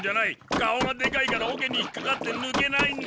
顔がでかいからおけに引っかかってぬけないんだ！